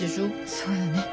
そうよね